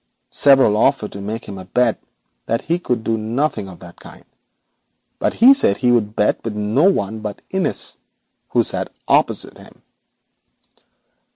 Several offered to bet that he could do nothing of the kind, but he said he would bet with no one but Innis, who sat opposite him.